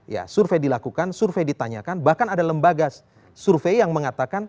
ya survei dilakukan survei ditanyakan bahkan ada lembaga survei yang mengatakan